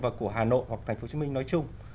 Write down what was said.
và của hà nội hoặc thành phố hồ chí minh nói chung